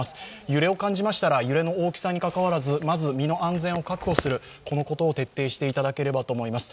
揺れを感じましたら揺れの大きさにかかわらずまず身の安全を確保することを徹底していただければと思います。